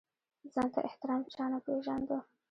ځان ته احترام چا نه پېژانده.